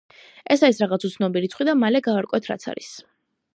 ეს არის რაღაც უცნობი რიცხვი და მალე გავარკვევთ რაც არის.